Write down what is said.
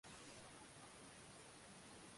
Watoto wao ni watiifu sana na warembo sana